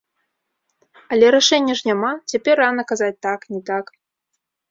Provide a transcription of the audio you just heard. Але рашэння ж няма, цяпер рана казаць так, не так.